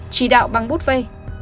chỉ đạo bằng bút phê